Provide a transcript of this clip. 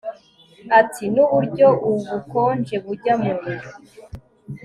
ati nuburyo ubukonje bujya munda